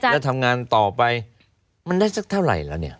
แล้วทำงานต่อไปมันได้สักเท่าไหร่แล้วเนี่ย